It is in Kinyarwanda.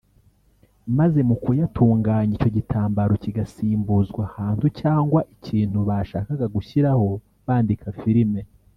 maze mu kuyatunganya icyo gitambaro kigasimbuzwa ahantu cyangwa ikintu bashakaga gushyiraho bandika filime